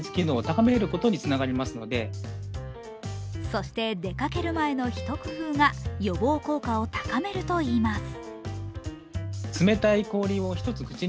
そして、出かける前のひと工夫が予防効果を高めるといいます。